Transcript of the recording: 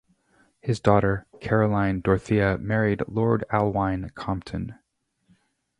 His daughter Caroline Dorothea married Lord Alwyne Compton.